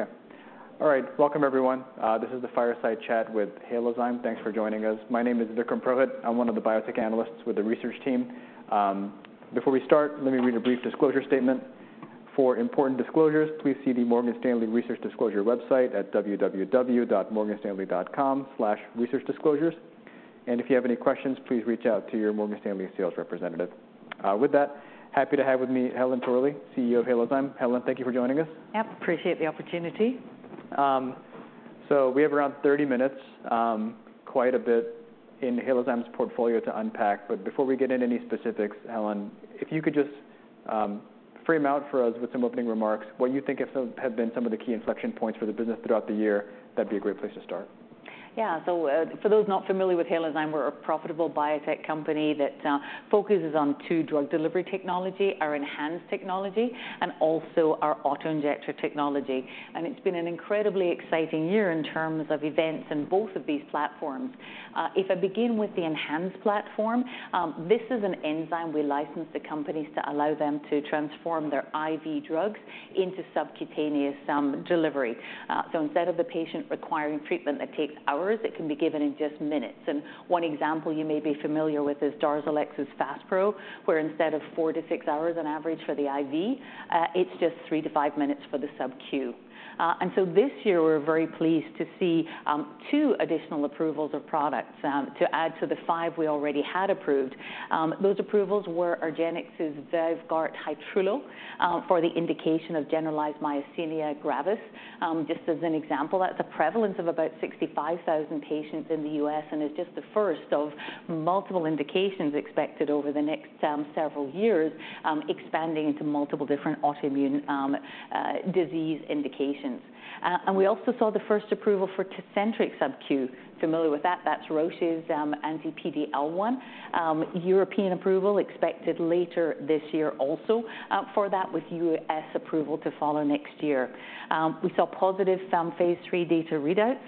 Okay. All right, welcome, everyone. This is the Fireside Chat with Halozyme. Thanks for joining us. My name is Vikram Purohit. I'm one of the biotech analysts with the research team. Before we start, let me read a brief disclosure statement. For important disclosures, please see the Morgan Stanley research disclosure website at www.morganstanley.com/researchdisclosures. If you have any questions, please reach out to your Morgan Stanley sales representative. With that, happy to have with me, Helen Torley, CEO of Halozyme. Helen, thank you for joining us. Yep, appreciate the opportunity. So we have around 30 minutes, quite a bit in Halozyme's portfolio to unpack, but before we get into any specifics, Helen, if you could just frame out for us with some opening remarks what you think have been some of the key inflection points for the business throughout the year, that'd be a great place to start. Yeah. So, for those not familiar with Halozyme, we're a profitable biotech company that focuses on two drug delivery technologies, our ENHANZE technology and also our auto-injector technology. It's been an incredibly exciting year in terms of events in both of these platforms. If I begin with the ENHANZE platform, this is an enzyme we license to companies to allow them to transform their IV drugs into subcutaneous delivery. So instead of the patient requiring treatment that takes hours, it can be given in just minutes. One example you may be familiar with is DARZALEX FASPRO, where instead of four-six hours on average for the IV, it's just three-five minutes for the sub-Q. So this year, we're very pleased to see two additional approvals of products to add to the five we already had approved. Those approvals were argenx's VYVGART Hytrulo for the indication of generalized myasthenia gravis. Just as an example, that's a prevalence of about 65,000 patients in the U.S. and is just the first of multiple indications expected over the next several years expanding into multiple different autoimmune disease indications. And we also saw the first approval for Tecentriq subQ. Familiar with that? That's European approval expected later this year also for that, with U.S. approval to follow next year. We saw positive phase III data readouts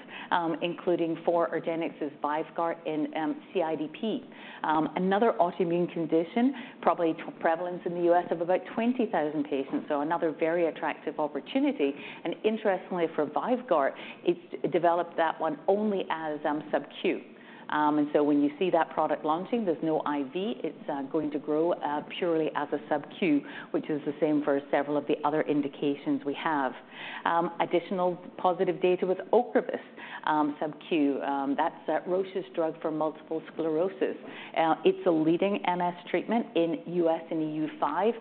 including for argenx's VYVGART in CIDP. Another autoimmune condition, probably prevalence in the U.S. of about 20,000 patients, so another very attractive opportunity. And interestingly for VYVGART, it's developed that one only as subQ. And so when you see that product launching, there's no IV. It's going to grow purely as a subQ, which is the same for several of the other indications we have. Additional positive data with Ocrevus subQ. That's Roche's drug for multiple sclerosis. It's a leading MS treatment in U.S. and EU5,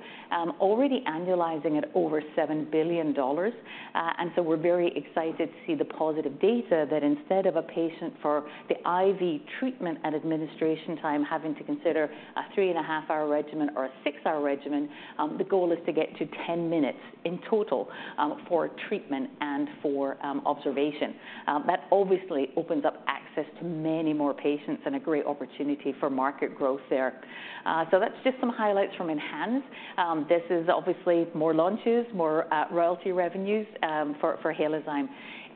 already annualizing at over $7 billion. And so we're very excited to see the positive data that instead of a patient for the IV treatment at administration time, having to consider a 3.5-hour regimen or a six-hour regimen, the goal is to get to 10 minutes in total for treatment and for observation. That obviously opens up access to many more patients and a great opportunity for market growth there. So that's just some highlights from ENHANZE. This is obviously more launches, more royalty revenues for Halozyme.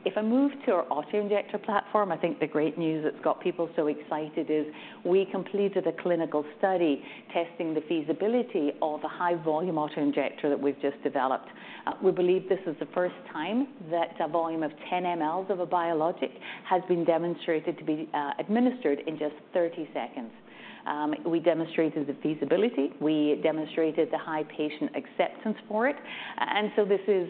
If I move to our auto-injector platform, I think the great news that's got people so excited is we completed a clinical study testing the feasibility of a high-volume auto-injector that we've just developed. We believe this is the first time that a volume of 10 mL of a biologic has been demonstrated to be administered in just 30 seconds. We demonstrated the feasibility, we demonstrated the high patient acceptance for it, and so this is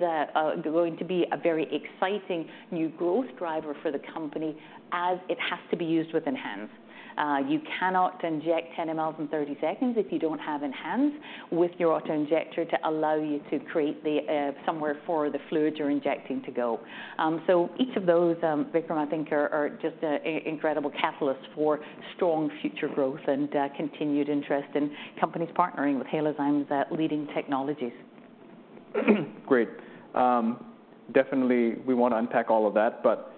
going to be a very exciting new growth driver for the company as it has to be used with ENHANZE. You cannot inject 10 mL in 30 seconds if you don't have ENHANZE® with your auto-injector to allow you to create the somewhere for the fluid you're injecting to go. So each of those, Vikram, I think are just a incredible catalyst for strong future growth and continued interest in companies partnering with Halozyme's leading technologies. Great. Definitely we want to unpack all of that, but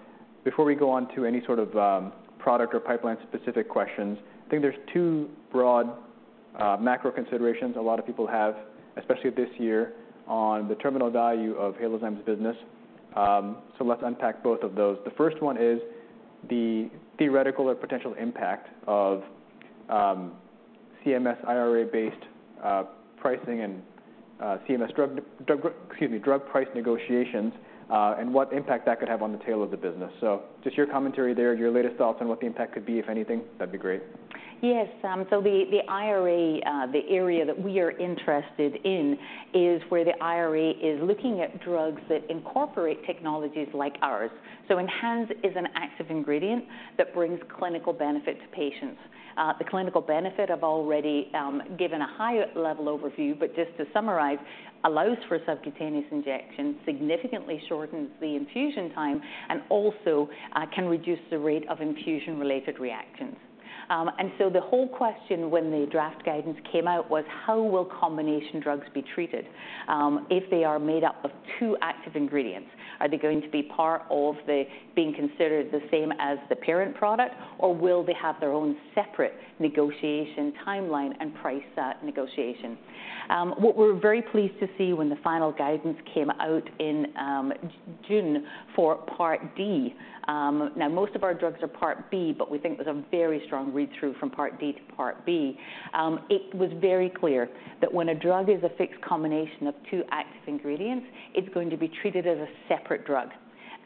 before we go on to any sort of, product or pipeline-specific questions, I think there's two broad, macro considerations a lot of people have, especially this year, on the terminal value of Halozyme's business. So let's unpack both of those. The first one is the theoretical or potential impact of, CMS, IRA-based, pricing and, CMS drug price negotiations, and what impact that could have on the tail of the business. So just your commentary there, your latest thoughts on what the impact could be, if anything, that'd be great. Yes, so the IRA, the area that we are interested in is where the IRA is looking at drugs that incorporate technologies like ours. So ENHANZE is an active ingredient that brings clinical benefit to patients. The clinical benefit, I've already given a higher level overview, but just to summarize, allows for subcutaneous injection, significantly shortens the infusion time, and also can reduce the rate of infusion-related reactions. And so the whole question when the draft guidance came out was, how will combination drugs be treated, if they are made up of two active ingredients? Are they going to be part of the being considered the same as the parent product, or will they have their own separate negotiation timeline and price that negotiation? What we're very pleased to see when the final guidance came out in June for Part D. Now, most of our drugs are Part B, but we think there's a very strong read-through from Part D to Part B. It was very clear that when a drug is a fixed combination of two active ingredients, it's going to be treated as a separate drug...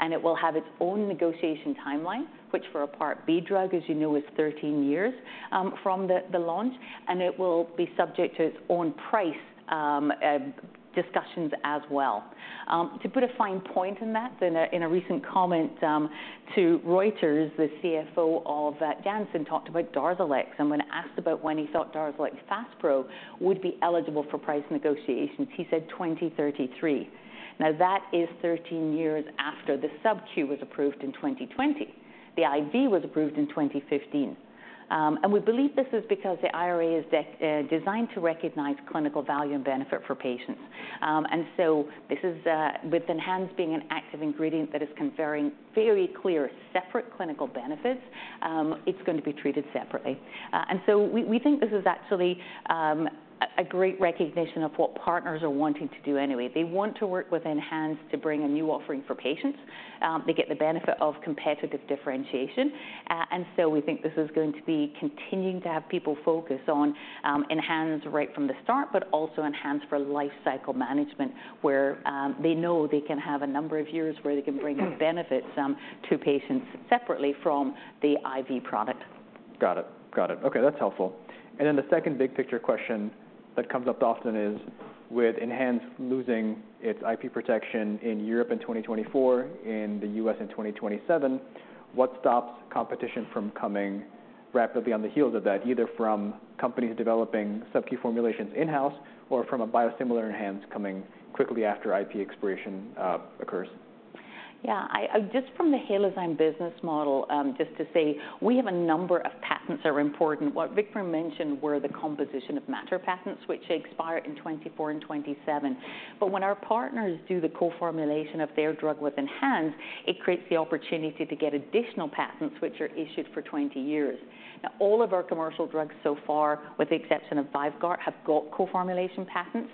and it will have its own negotiation timeline, which for a Part B drug, as you know, is 13 years from the launch, and it will be subject to its own price discussions as well. To put a fine point on that, in a recent comment to Reuters, the CFO of Janssen talked about DARZALEX, and when asked about when he thought DARZALEX FASPRO would be eligible for price negotiations, he said 2033. Now, that is 13 years after the subQ was approved in 2020. The IV was approved in 2015. And we believe this is because the IRA is designed to recognize clinical value and benefit for patients. And so this is with ENHANZE being an active ingredient that is conferring very clear, separate clinical benefits, it's going to be treated separately. And so we think this is actually a great recognition of what partners are wanting to do anyway. They want to work with ENHANZE to bring a new offering for patients. They get the benefit of competitive differentiation. And so we think this is going to be continuing to have people focused on ENHANZE right from the start, but also ENHANZE for life cycle management, where they know they can have a number of years where they can bring benefits to patients separately from the IV product. Got it, got it. Okay, that's. And then the second big picture question that comes up often is, with ENHANZE losing its IP protection in Europe in 2024, in the U.S. in 2027, what stops competition from coming rapidly on the heels of that, either from companies developing subQ formulations in-house or from a biosimilar ENHANZE coming quickly after IP expiration occurs? Yeah. I just from the Halozyme business model, just to say we have a number of patents that are important. What Vikram mentioned were the composition of matter patents, which expire in 2024 and 2027. But when our partners do the co-formulation of their drug with ENHANZE, it creates the opportunity to get additional patents, which are issued for 20 years. Now, all of our commercial drugs so far, with the exception of VYVGART, have got co-formulation patents,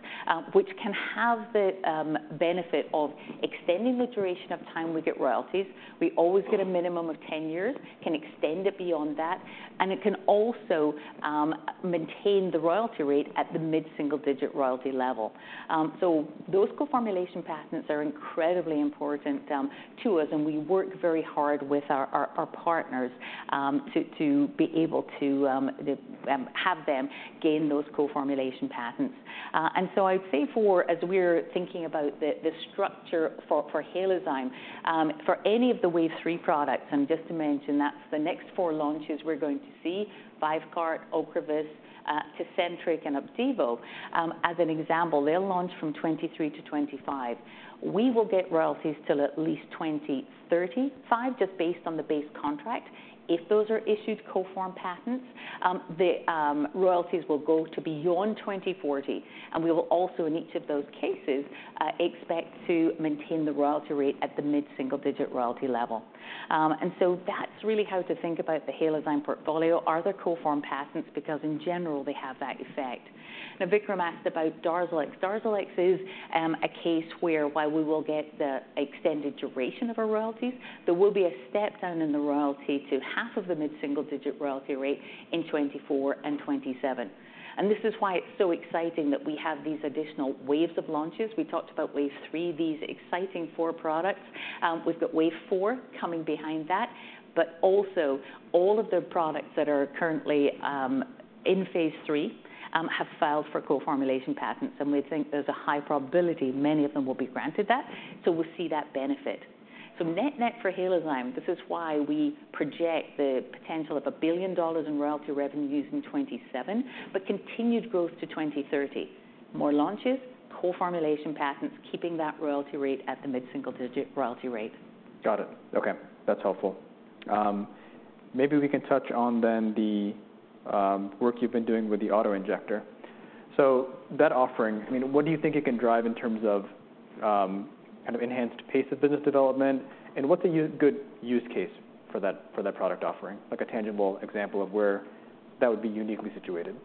which can have the benefit of extending the duration of time we get royalties. We always get a minimum of 10 years, can extend it beyond that, and it can also maintain the royalty rate at the mid-single-digit royalty level. So those co-formulation patents are incredibly important to us, and we work very hard with our partners to be able to have them gain those co-formulation patents. And so I'd say, as we're thinking about the structure for Halozyme for any of the Wave 3 products, and just to mention, that's the next four launches we're going to see, VYVGART, Ocrevus, Tecentriq, and Opdivo. As an example, they'll launch from 2023-2025. We will get royalties till at least 2035, just based on the base contract. If those are issued co-form patents, the royalties will go to beyond 2040, and we will also, in each of those cases, expect to maintain the royalty rate at the mid-single-digit royalty level. And so that's really how to think about the Halozyme portfolio. Are there co-form patents? Because in general, they have that effect. Now, Vikram asked about DARZALEX. DARZALEX is a case where while we will get the extended duration of our royalties, there will be a step down in the royalty to half of the mid-single-digit royalty rate in 2024 and 2027. And this is why it's so exciting that we have these additional waves of launches. We talked about Wave three, these exciting four products. We've got Wave four coming behind that, but also all of the products that are currently in phase three have filed for co-formulation patents, and we think there's a high probability many of them will be granted that. So we'll see that benefit. Net-net for Halozyme, this is why we project the potential of $1 billion in royalty revenues in 2027, but continued growth to 2030. More launches, co-formulation patents, keeping that royalty rate at the mid-single-digit royalty rate. Got it. Okay, that's helpful. Maybe we can touch on then the work you've been doing with the auto-injector. So that offering, I mean, what do you think it can drive in terms of kind of enhanced pace of business development, and what's a good use case for that, for that product offering? Like, a tangible example of where that would be uniquely situated.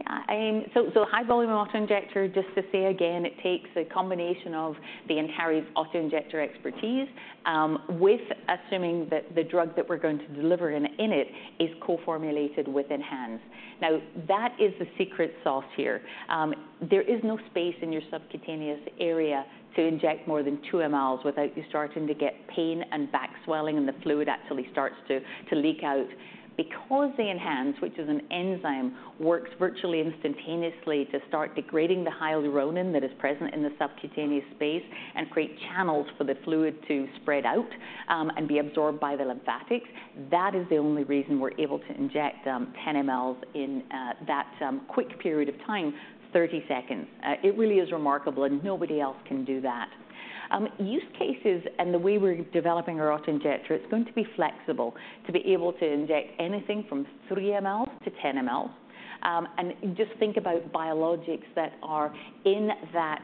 Yeah, so high-volume auto-injector, just to say again, it takes a combination of the Antares auto-injector expertise, with assuming that the drug that we're going to deliver in it is co-formulated with ENHANZE. Now, that is the secret sauce here. There is no space in your subcutaneous area to inject more than 2 mL without you starting to get pain and back swelling, and the fluid actually starts to leak out. Because the ENHANZE, which is an enzyme, works virtually instantaneously to start degrading the hyaluronan that is present in the subcutaneous space and create channels for the fluid to spread out, and be absorbed by the lymphatics, that is the only reason we're able to inject 10 mL in that quick period of time, 30 seconds. It really is remarkable, and nobody else can do that. Use cases and the way we're developing our auto-injector, it's going to be flexible to be able to inject anything from 3 mL-10 mL. Just think about biologics that are in that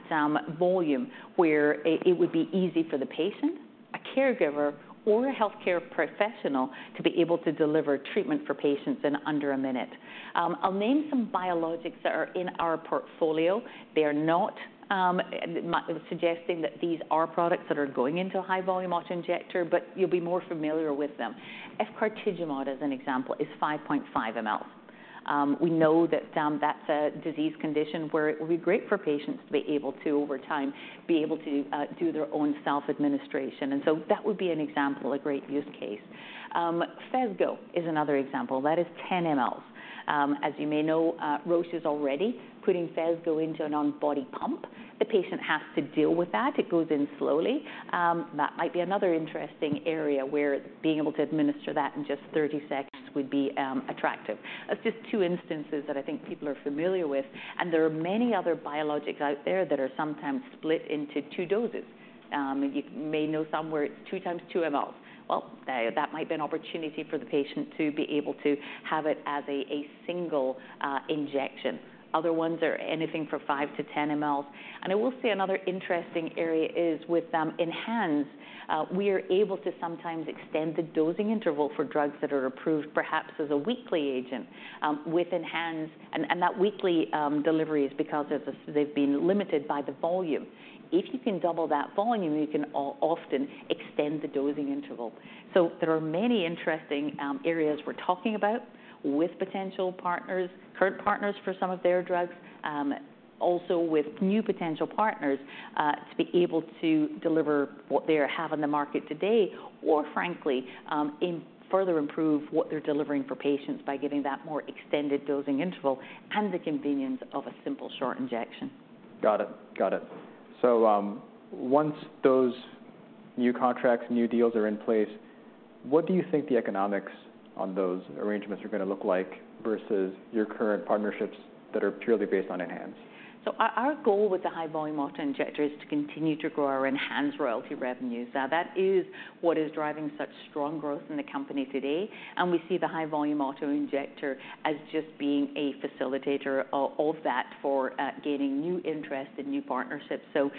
volume, where it would be easy for the patient, a caregiver, or a healthcare professional to be able to deliver treatment for patients in under a minute. I'll name some biologics that are in our portfolio. They are not suggesting that these are products that are going into a high-volume auto-injector, but you'll be more familiar with them. Efgartigimod, as an example, is 5.5 mL. We know that, that's a disease condition where it would be great for patients to be able to, over time, be able to do their own self-administration, and so that would be an example, a great use case. PHESGO is another example. That is 10 mL. As you may know, Roche is already putting PHESGO into an on-body pump. The patient has to deal with that. It goes in slowly. That might be another interesting area where being able to administer that in just 30 seconds would be attractive. That's just two instances that I think people are familiar with, and there are many other biologics out there that are sometimes split into two doses. You may know some where it's two times 2 mL. Well, that might be an opportunity for the patient to be able to have it as a single injection. Other ones are anything from 5 mL-10 mL. I will say another interesting area is with ENHANZE®. We are able to sometimes extend the dosing interval for drugs that are approved perhaps as a weekly agent with ENHANZE®. That weekly delivery is because of the they've been limited by the volume. If you can double that volume, you can often extend the dosing interval. So there are many interesting areas we're talking about with potential partners, current partners, for some of their drugs, also with new potential partners, to be able to deliver what they have on the market today, or frankly, and further improve what they're delivering for patients by giving that more extended dosing interval and the convenience of a simple, short injection. Got it. Got it. So, once those new contracts, new deals are in place, what do you think the economics on those arrangements are gonna look like versus your current partnerships that are purely based on ENHANZE®? So our goal with the high-volume auto-injector is to continue to grow our ENHANZE royalty revenues. Now, that is what is driving such strong growth in the company today, and we see the high-volume auto-injector as just being a facilitator of that for gaining new interest and new partnerships. So,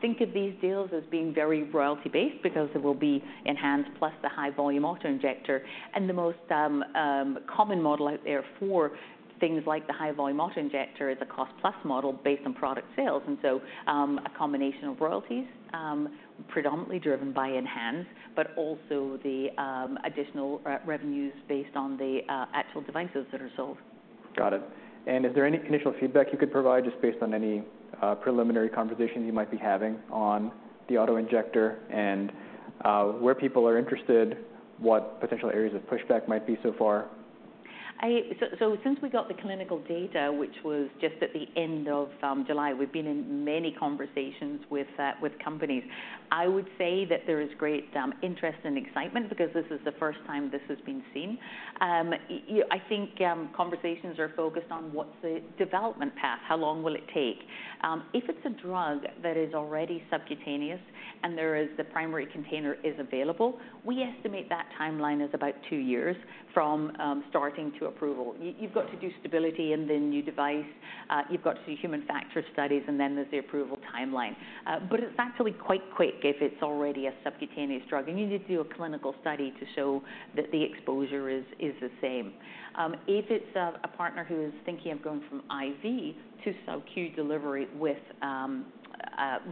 think of these deals as being very royalty-based because it will be ENHANZE plus the high-volume auto-injector. And the most common model out there for things like the high-volume auto-injector is a cost-plus model based on product sales, and so, a combination of royalties, predominantly driven by ENHANZE, but also the additional revenues based on the actual devices that are sold. Got it. Is there any initial feedback you could provide just based on any preliminary conversations you might be having on the auto-injector, and where people are interested, what potential areas of pushback might be so far? So, so since we got the clinical data, which was just at the end of July, we've been in many conversations with companies. I would say that there is great interest and excitement because this is the first time this has been seen. I think conversations are focused on: What's the development path? How long will it take? If it's a drug that is already subcutaneous and there is the primary container is available, we estimate that timeline is about two years from starting to approval. You've got to do stability and then new device. You've got to do human factor studies, and then there's the approval timeline. But it's actually quite quick if it's already a subcutaneous drug, and you need to do a clinical study to show that the exposure is the same. If it's a partner who is thinking of going from IV to subQ delivery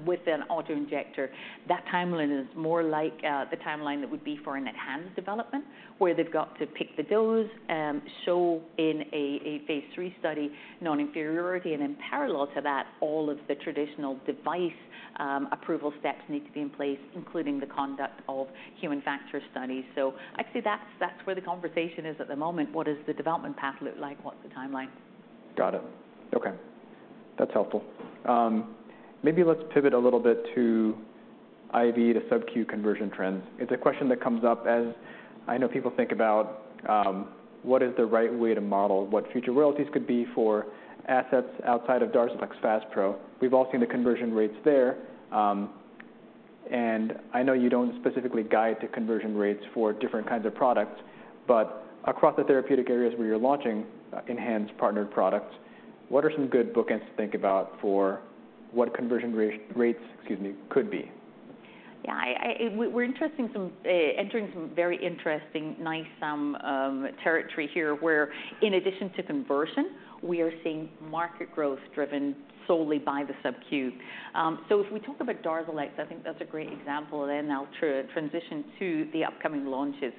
with an auto-injector, that timeline is more like the timeline that would be for an ENHANZE development, where they've got to pick the dose, show in a phase III study non-inferiority, and in parallel to that, all of the traditional device approval steps need to be in place, including the conduct of human factor studies. So I'd say that's where the conversation is at the moment. What does the development path look like? What's the timeline? Got it. Okay, that's helpful. Maybe let's pivot a little bit to IV to subQ conversion trends. It's a question that comes up as I know people think about what is the right way to model what future royalties could be for assets outside of DARZALEX FASPRO. We've all seen the conversion rates there, and I know you don't specifically guide to conversion rates for different kinds of products, but across the therapeutic areas where you're launching ENHANZE partnered products, what are some good bookends to think about for what conversion rates, excuse me, could be? Yeah, we're entering some very interesting territory here, where in addition to conversion, we are seeing market growth driven solely by the subQ. So if we talk about DARZALEX, I think that's a great example, and then I'll transition to the upcoming launches.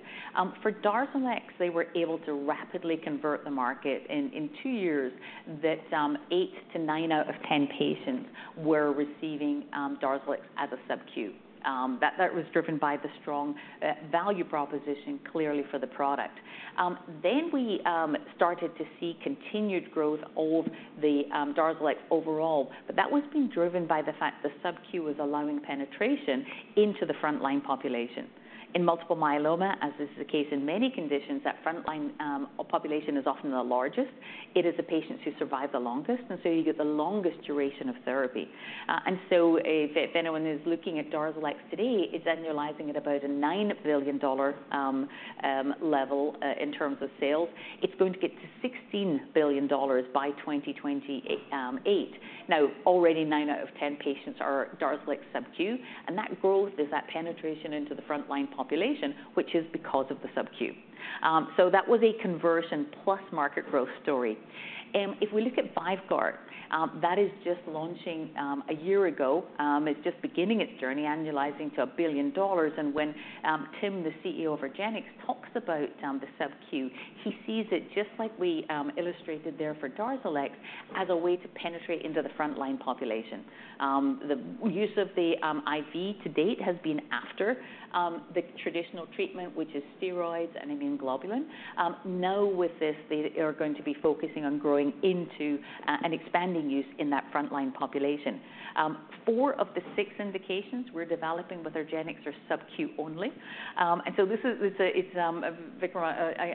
For DARZALEX, they were able to rapidly convert the market in two years, that eight-nine out of 10 patients were receiving DARZALEX as a subQ. That was driven by the strong value proposition, clearly, for the product. Then we started to see continued growth of the DARZALEX overall, but that was being driven by the fact the subQ was allowing penetration into the front-line population. In multiple myeloma, as is the case in many conditions, that front-line population is often the largest. It is the patients who survive the longest, and so you get the longest duration of therapy. And so if anyone is looking at DARZALEX today, it's annualizing at about a $9 billion level in terms of sales. It's going to get to $16 billion by 2028. Now, already, nine out of 10 patients are DARZALEX subQ, and that growth is that penetration into the front-line population, which is because of the subQ. So that was a conversion plus market growth story. And if we look at VYVGART, that is just launching a year ago. It's just beginning its journey, annualizing to a $1 billion. When Tim, the CEO of argenx, talks about the sub-Q, he sees it just like we illustrated there for DARZALEX, as a way to penetrate into the frontline population. The use of the IV to date has been after the traditional treatment, which is steroids and immune globulin. Now, with this, they are going to be focusing on growing into an expanding use in that frontline population. Four of the six indications we're developing with argenx are sub-Q only. And so this is, Vikram,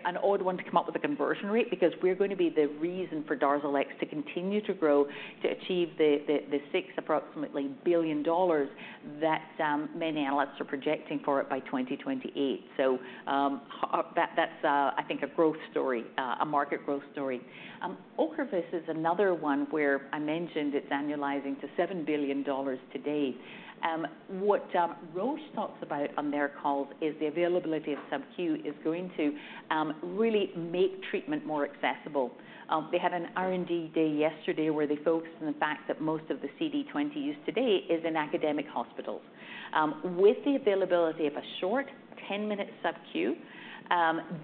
an odd one to come up with a conversion rate because we're going to be the reason for DARZALEX to continue to grow, to achieve the approximately $6 billion that many analysts are projecting for it by 2028. So, that's, I think, a growth story, a market growth story. Ocrevus is another one where I mentioned it's annualizing to $7 billion today. What Roche talks about on their calls is the availability of sub-Q is going to really make treatment more accessible. They had an R&D day yesterday, where they focused on the fact that most of the CD20 use today is in academic hospitals. With the availability of a short 10-minute sub-Q,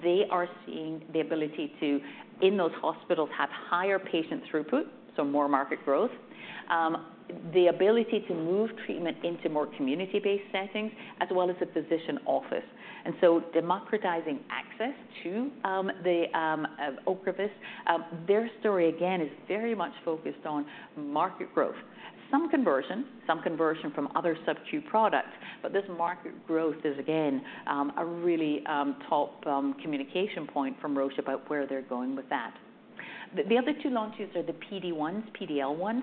they are seeing the ability to, in those hospitals, have higher patient throughput, so more market growth, the ability to move treatment into more community-based settings, as well as a physician office. And so democratizing access to the Ocrevus, their story, again, is very much focused on market growth. Some conversion, some conversion from other sub-Q products, but this market growth is, again, a really, top, communication point from Roche about where they're going with that. The other two launches are the PD-1s, PD-L1s.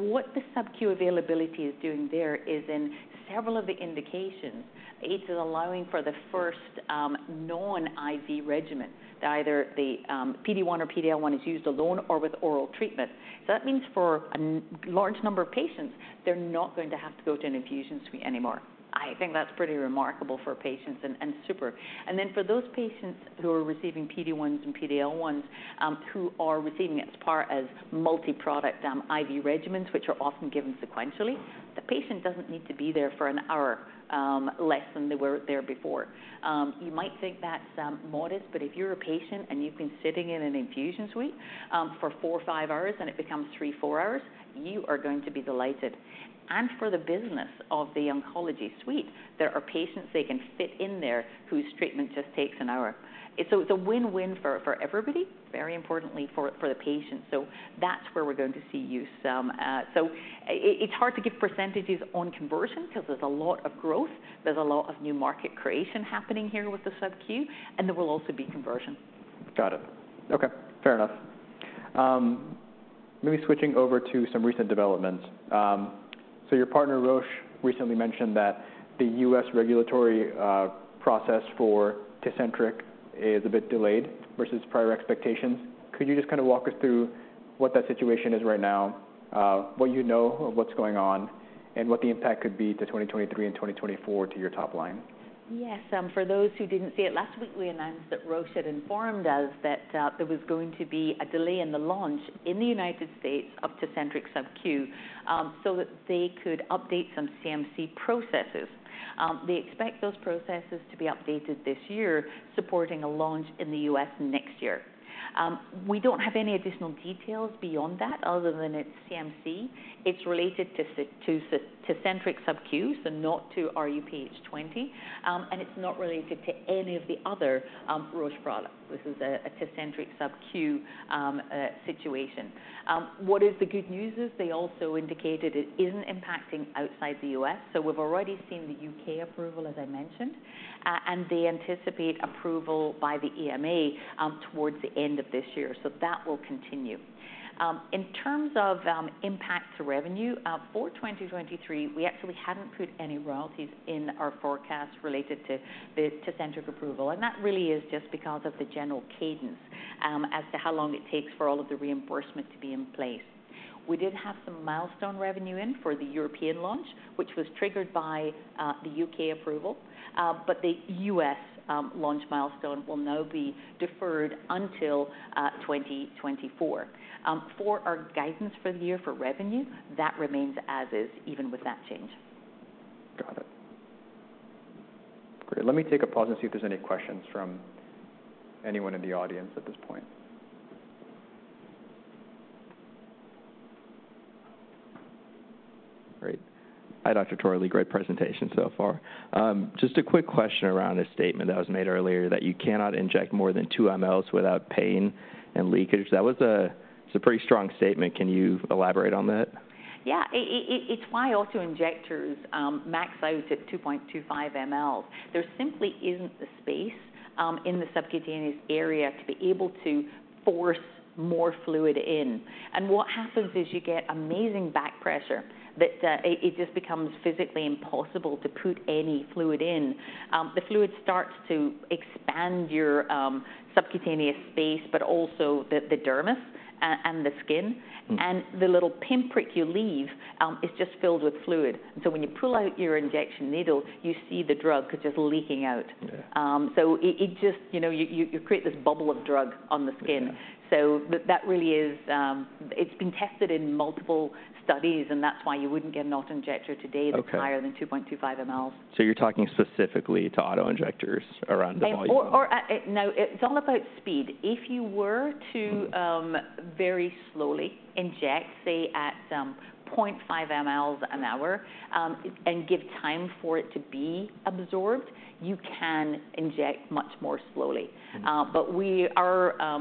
What the sub-Q availability is doing there is in several of the indications, it is allowing for the first, non-IV regimen. Either the PD-1 or PD-L1 is used alone or with oral treatment. So that means for a large number of patients, they're not going to have to go to an infusion suite anymore. I think that's pretty remarkable for patients and super. For those patients who are receiving PD-1s and PD-L1s, who are receiving it as part of multi-product, IV regimens, which are often given sequentially, the patient doesn't need to be there for an hour less than they were there before. You might think that's modest, but if you're a patient and you've been sitting in an infusion suite for four-five hours, and it becomes three-four hours, you are going to be delighted. And for the business of the oncology suite, there are patients they can fit in there whose treatment just takes an hour. It's so it's a win-win for everybody, very importantly for the patient. So that's where we're going to see use some. It's hard to give percentages on conversion because there's a lot of growth, there's a lot of new market creation happening here with the sub-Q, and there will also be conversion. Got it. Okay, fair enough. Maybe switching over to some recent developments. So your partner, Roche, recently mentioned that the U.S. regulatory process for Tecentriq is a bit delayed versus prior expectations. Could you just kind of walk us through what that situation is right now, what you know of what's going on, and what the impact could be to 2023 and 2024 to your top line? Yes. For those who didn't see it last week, we announced that Roche had informed us that there was going to be a delay in the launch in the United States of Tecentriq sub-Q, so that they could update some CMC processes. They expect those processes to be updated this year, supporting a launch in the US next year. We don't have any additional details beyond that, other than its CMC. It's related to Tecentriq sub-Q, so not to rHuPH20, and it's not related to any of the other Roche products. This is a Tecentriq sub-Q situation. What is the good news is they also indicated it isn't impacting outside the US, so we've already seen the UK approval, as I mentioned. They anticipate approval by the EMA, towards the end of this year. That will continue. In terms of impact to revenue, for 2023, we actually haven't put any royalties in our forecast related to the Tecentriq approval, and that really is just because of the general cadence, as to how long it takes for all of the reimbursement to be in place. We did have some milestone revenue in for the European launch, which was triggered by the U.K. approval, but the U.S. launch milestone will now be deferred until 2024. For our guidance for the year for revenue, that remains as is, even with that change. Got it. Great. Let me take a pause and see if there's any questions from anyone in the audience at this point. Great. Hi, Dr. Torley. Great presentation so far. Just a quick question around a statement that was made earlier, that you cannot inject more than 2 mL without pain and leakage. That was a pretty strong statement. Can you elaborate on that? Yeah. It, it's why auto-injectors max out at 2.25 mL. There simply isn't the space in the subcutaneous area to be able to force more fluid in. And what happens is you get amazing back pressure, that it just becomes physically impossible to put any fluid in. The fluid starts to expand your subcutaneous space, but also the dermis and the skin. The little pin prick you leave is just filled with fluid. When you pull out your injection needle, you see the drug just leaking out. Yeah. So it just, you know, you create this bubble of drug on the skin. Yeah. So but that really is, It's been tested in multiple studies, and that's why you wouldn't get an auto-injector today- Okay. —that's higher than 2.25 mL. You're talking specifically to auto-injectors around the volume? It's all about speed. If you were to very slowly inject, say, at 0.5 mL an hour, and give time for it to be absorbed, you can inject much more slowly. But our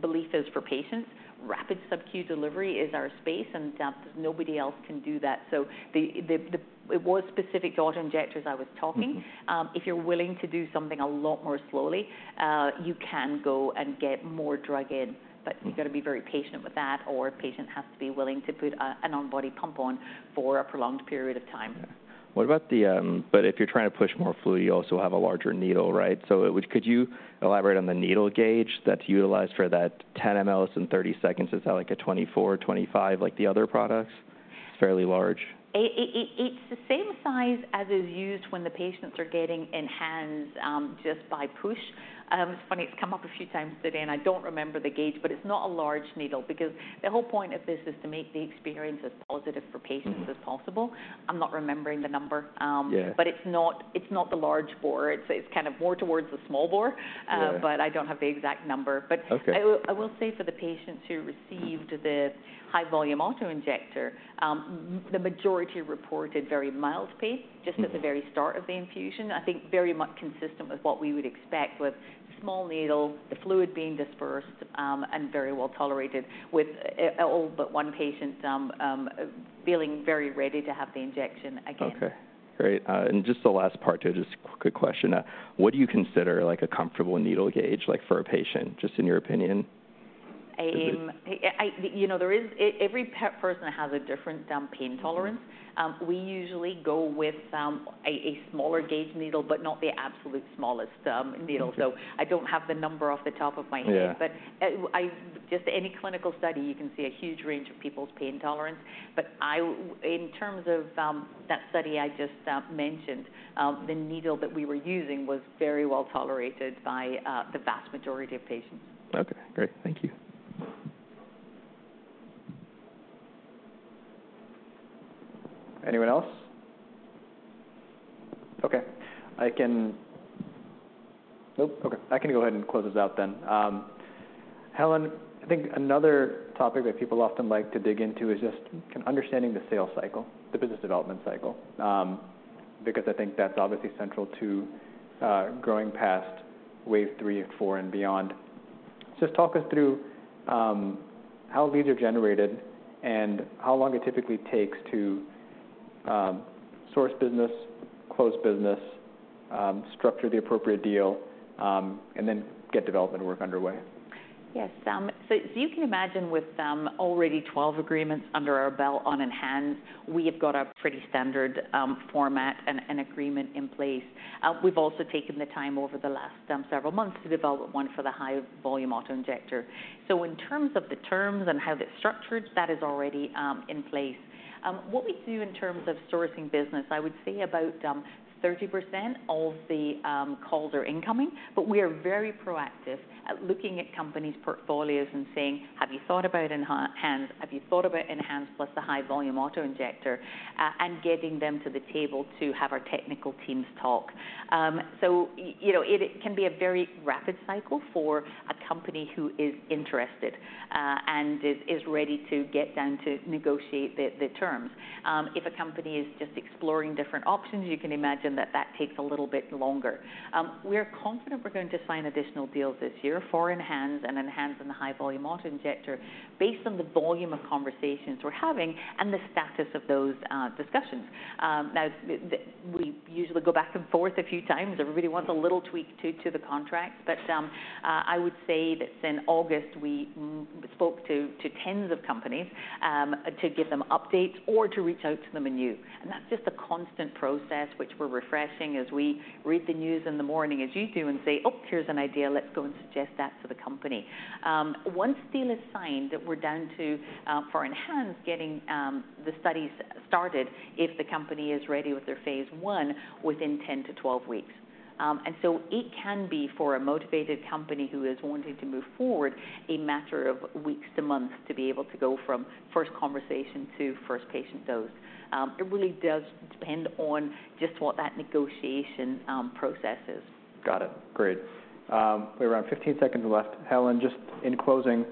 belief is for patients, rapid subQ delivery is our space, and nobody else can do that. So it was specific to auto-injectors I was talking. If you're willing to do something a lot more slowly, you can go and get more drug in, but. You've got to be very patient with that, or a patient has to be willing to put an on-body pump on for a prolonged period of time. But if you're trying to push more fluid, you also have a larger needle, right? So, which could you elaborate on the needle gauge that's utilized for that 10 mL in 30 seconds? Is that like a 24, 25, like the other products? Fairly large. It, it's the same size as is used when the patients are getting ENHANZE®, just by push. It's funny, it's come up a few times today, and I don't remember the gauge, but it's not a large needle. Because the whole point of this is to make the experience as positive for patients as possible. I'm not remembering the number. Yeah. But it's not the large bore. It's kind of more towards the small bore. Yeah. But I don't have the exact number. Okay. But I will, I will say for the patients who received the high-volume auto-injector, the majority reported very mild pain. Just at the very start of the infusion. I think very much consistent with what we would expect with small needle, the fluid being dispersed, and very well tolerated with all but one patient feeling very ready to have the injection again. Okay, great. And just the last part to just quick question: what do you consider, like, a comfortable needle gauge, like, for a patient, just in your opinion? Just be- You know, every person has a different pain tolerance. We usually go with a smaller gauge needle, but not the absolute smallest needle. Okay. I don't have the number off the top of my head. Yeah. But just any clinical study, you can see a huge range of people's pain tolerance. But in terms of that study I just mentioned, the needle that we were using was very well tolerated by the vast majority of patients. Okay, great. Thank you. Anyone else? Okay, I can... Oh, okay, I can go ahead and close this out then. Helen, I think another topic that people often like to dig into is just understanding the sales cycle, the business development cycle, because I think that's obviously central to growing past Wave 3 and 4 and beyond. So just talk us through how leads are generated and how long it typically takes to source business, close business, structure the appropriate deal, and then get development work underway. Yes. So you can imagine with already 12 agreements under our belt on ENHANZE, we have got a pretty standard format and agreement in place. We've also taken the time over the last several months to develop one for the high-volume auto-injector. So in terms of the terms and how that's structured, that is already in place. What we do in terms of sourcing business, I would say about 30% of the calls are incoming, but we are very proactive at looking at companies' portfolios and saying, Have you thought about ENHANZE? Have you thought about ENHANZE, plus the high-volume auto-injector? and getting them to the table to have our technical teams talk. So, you know, it can be a very rapid cycle for a company who is interested and is ready to get down to negotiate the terms. If a company is just exploring different options, you can imagine that that takes a little bit longer. We're confident we're going to sign additional deals this year for ENHANZE and ENHANZE in the high-volume auto-injector, based on the volume of conversations we're having and the status of those discussions. Now, we usually go back and forth a few times. Everybody wants a little tweak to the contract. But, I would say that in August, we spoke to tens of companies, to give them updates or to reach out to them anew, and that's just a constant process, which we're refreshing as we read the news in the morning, as you do, and say, Oh, here's an idea. Let's go and suggest that to the company. Once the deal is signed, we're down to, for ENHANZE, getting the studies started if the company is ready with their phase I within 10-12 weeks. And so it can be for a motivated company who is wanting to move forward, a matter of weeks to months to be able to go from first conversation to first patient dose. It really does depend on just what that negotiation process is. Got it. Great. We have around 15 seconds left. Helen, just in closing,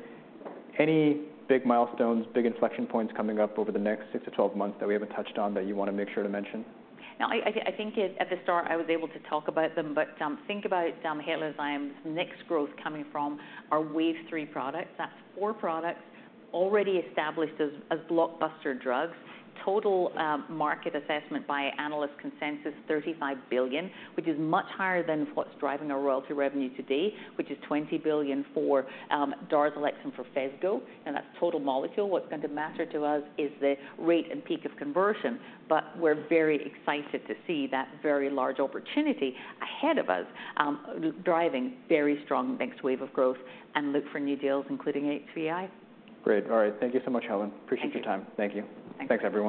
any big milestones, big inflection points coming up over the next six-12 months that we haven't touched on that you want to make sure to mention? Now, I think at the start, I was able to talk about them, but think about Halozyme's next growth coming from our Wave three products. That's four products already established as blockbuster drugs. Total market assessment by analyst consensus, $35 billion, which is much higher than what's driving our royalty revenue today, which is $20 billion for DARZALEX and for PHESGO, and that's total molecule. What's going to matter to us is the rate and peak of conversion, but we're very excited to see that very large opportunity ahead of us, driving very strong next wave of growth and look for new deals, including HIV. Great. All right. Thank you so much, Helen. Thank you. Appreciate your time. Thank you. Thank you. Thanks, everyone.